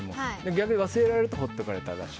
逆に、忘れられると放っておかれただし。